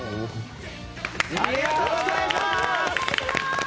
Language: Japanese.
ありがとうございます！